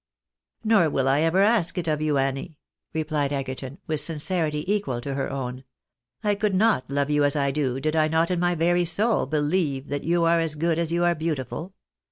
"" Nor will I ever ask it of you, Annie," replied Egerton, with sincerity equal to her own. " I could not love you as I do, did I not in my very soul believe that you are as good as you are beauti ful.